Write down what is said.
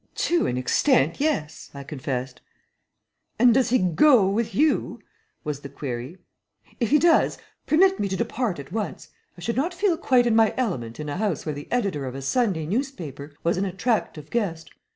"To an extent, yes," I confessed. "And does he GO with you?" was the query. "If he does, permit me to depart at once. I should not feel quite in my element in a house where the editor of a Sunday newspaper was an attractive guest.